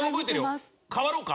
代わろうか？